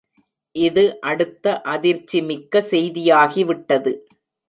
இது அடுத்த அதிர்ச்சி மிக்க செய்தியாகிவிட்டது.